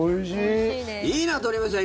いいな、鳥海さん！